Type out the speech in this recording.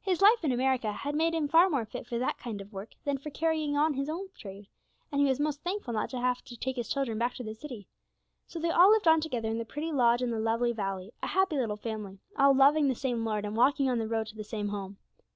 His life in America had made him far more fit for that kind of work than for carrying on his old trade, and he was most thankful not to have to take his children back to the city. So they all lived on together in the pretty lodge in the lovely valley, a happy little family, all loving the same Lord, and walking on the road to the same Home.